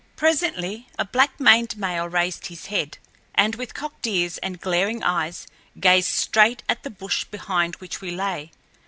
Presently a black maned male raised his head, and, with cocked ears and glaring eyes, gazed straight at the bush behind which we lay.